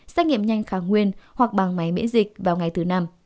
xét nghiệm nhanh kháng nguyên hoặc bằng máy miễn dịch vào ngày thứ năm